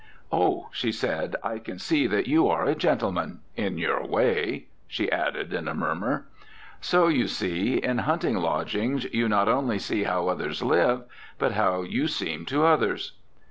"Oh," she said, "I can see that you are a gentleman in your way," she added, in a murmur. So, you see, in hunting lodgings you not only see how others live, but how you seem to others.